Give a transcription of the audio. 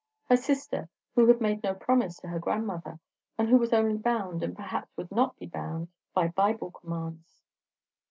her sister, who had made no promise to her grandmother, and who was only bound, and perhaps would not be bound, by Bible commands?